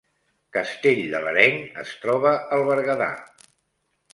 Castell de l’Areny es troba al Berguedà